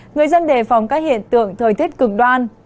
người dân đề phòng các hiện tượng thời tiết cực đoan